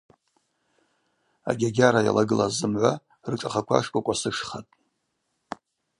Агьагьара йалагылаз зымгӏва ршӏахъаква шкӏвокӏвасышхатӏ.